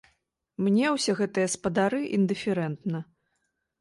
Мне ўсе гэтыя спадары індыферэнтна.